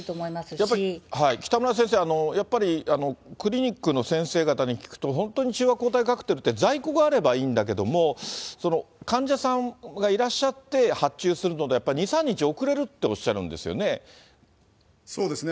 やっぱり、北村先生、やっぱりクリニックの先生方に聞くと、本当に中和抗体カクテルって在庫があればいいんだけども、その患者さんがいらっしゃって発注するので、やっぱり２、３日、そうですね。